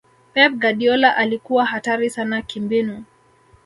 pep guardiola alikuwa hatari sana kimbinu